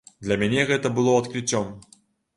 Для мяне гэта было адкрыццём.